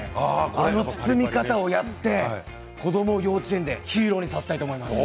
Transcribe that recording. この包み方をやって子どもを幼稚園でヒーローにさせたいと思います。